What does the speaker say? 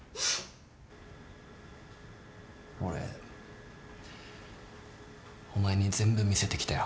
俺お前に全部見せてきたよ。